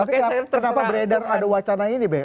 kenapa beredar ada wacana ini